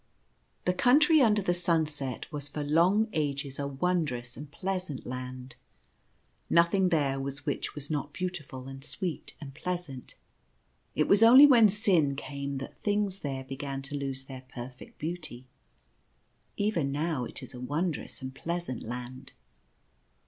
The Country Under the Sunset was for long ages a wondrous and pleasant Land. Nothing there was which was not beautiful and sweet and pleasant. It was only when sin came that things there began to lose their per fect beauty. Even now it is a wondrous and pleasant land.